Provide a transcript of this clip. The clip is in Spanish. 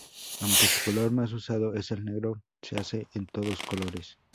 Aunque su color más usado es el negro, se hace en todos colores.